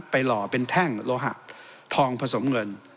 หล่อเป็นแท่งโลหะทองผสมเงิน